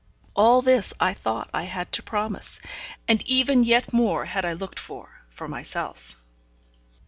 All this I thought I had to promise, and even yet more had I looked for, for myself.